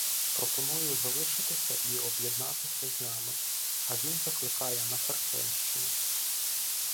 Пропоную залишитися і об'єднатися з нами, а він закликає на Херсонщину.